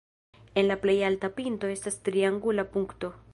En la plej alta pinto estas triangula punkto.